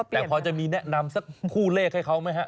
แต่พอจะมีแนะนำสักคู่เลขให้เขาไหมฮะ